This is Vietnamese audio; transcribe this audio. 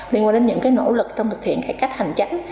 liên quan đến những cái nỗ lực trong thực hiện cải cách hành chính